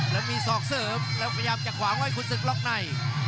แล้วมีศอกเสริมแล้วพยายามจะขวางไว้ขุนศึกล็อกใน